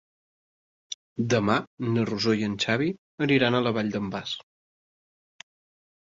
Demà na Rosó i en Xavi aniran a la Vall d'en Bas.